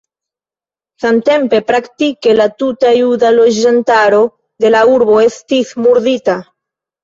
Samtempe praktike la tuta juda loĝantaro de la urbo estis murdita.